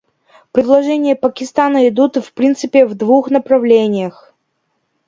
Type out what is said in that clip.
Предложения Пакистана идут в принципе в двух направлениях.